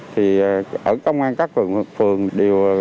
thì ở công an phòng đại địa phương thì người ta cũng biết được cái thông tin này